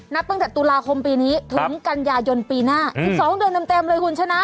ตั้งแต่ตุลาคมปีนี้ถึงกันยายนปีหน้า๑๒เดือนเต็มเลยคุณชนะ